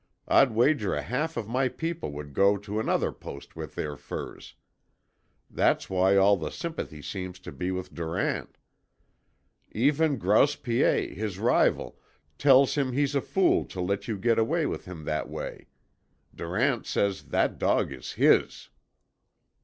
I'd wager a half of my people would go to another post with their furs. That's why all the sympathy seems to be with Durant. Even Grouse Piet, his rival, tells him he's a fool to let you get away with him that way. Durant says that dog is HIS."